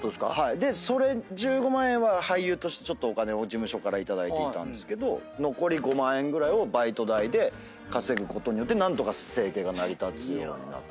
で１５万円は俳優としてお金を事務所から頂いていたんですけど残り５万円ぐらいをバイト代で稼ぐことによって何とか生計が成り立つようになって。